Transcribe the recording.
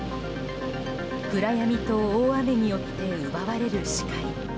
暗闇と大雨によって奪われる視界。